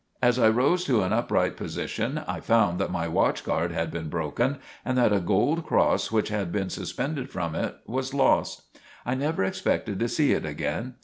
As I rose to an upright position, I found that my watchguard had been broken and that a gold cross which had been suspended from it, was lost. I never expected to see it again.